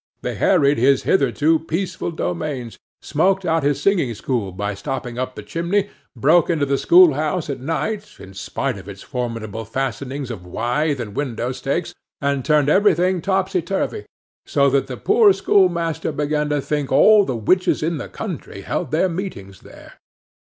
They harried his hitherto peaceful domains; smoked out his singing school by stopping up the chimney; broke into the schoolhouse at night, in spite of its formidable fastenings of withe and window stakes, and turned everything topsy turvy, so that the poor schoolmaster began to think all the witches in the country held their meetings there.